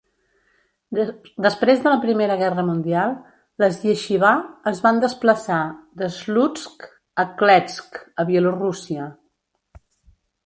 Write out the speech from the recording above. Després de la Primera Guerra Mundial, les ieixivà es van desplaçar de Slutsk a Kletsk a Bielorússia.